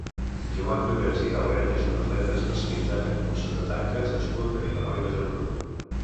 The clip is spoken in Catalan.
Joan Lloveras i Calvet és un atleta especialitzat en curses de tanques nascut a Vilanova i la Geltrú.